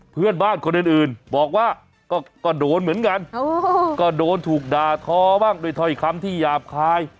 เพื่อนบ้านคนอื่นบอกว่าก็โดนเหมือนกันก็โดนถูกด่าทอบ้างด้วยถ้อยคำที่หยาบคาย